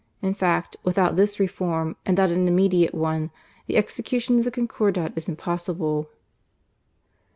In fact, without this reform and that an immediate one, the execution of the Concordat is impossible."